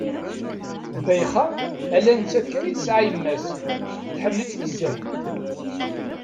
Ddayxa, ala nettat kan i tesɛa yemma-s, teḥmmel-itt nezzeh.